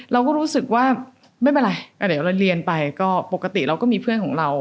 เราก็รู้สึกว่าไม่เป็นไรเดี๋ยวเราเรียนไปก็ปกติเราก็มีเพื่อนของเรา